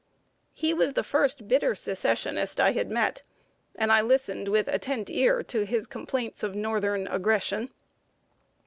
He was the first bitter Secessionist I had met, and I listened with attent ear to his complaints of northern aggression.